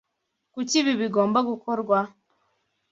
Kuki ibi bigomba gukorwa?